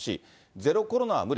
ゼロコロナは無理。